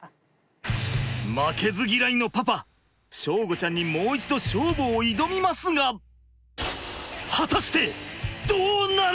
祥吾ちゃんにもう一度勝負を挑みますが果たしてどうなる！？